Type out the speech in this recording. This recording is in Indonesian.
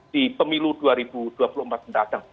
di pemilu dua ribu dua puluh empat mendatang